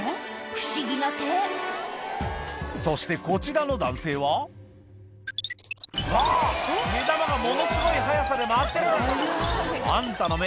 不思議な手そしてこちらの男性はあっ目玉がものすごい速さで回ってるあんたの目